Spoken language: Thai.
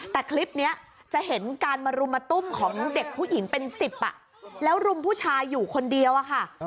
แต่คลิปนี้จะเห็นการมารุมมาตุ้มของเด็กผู้หญิงเป็น๑๐แล้วรุมผู้ชายอยู่คนเดียวอะค่ะ